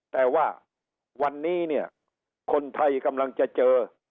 แต่ว่าวันนี้เนี่ยคนไทยกำลังจะเจอ